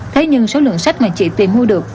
thế nhưng số lượng sách mà chị tìm mua được